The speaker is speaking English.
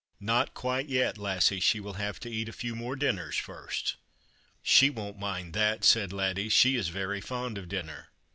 " Xot quite yet, Lassie. She will have to eat a few more dinners first." " She won't mind that," .said Laddie ; "she is very fond of dinner."